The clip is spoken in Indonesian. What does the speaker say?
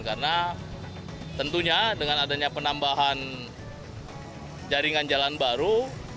karena tentunya dengan adanya penambahan jaringan jalan baru